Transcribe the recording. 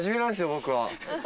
僕は。